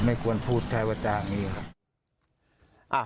ไม่ควรพูดแท้วจากอย่างนี้ครับ